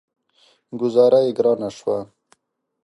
ګوذاره يې ګرانه شوه.